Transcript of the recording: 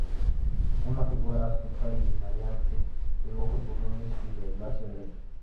una figura astuta y maleante, de ojos burlones y de lacia greña